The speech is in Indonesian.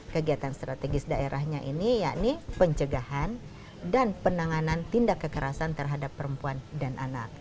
kegiatan strategis daerahnya ini yakni pencegahan dan penanganan tindak kekerasan terhadap perempuan dan anak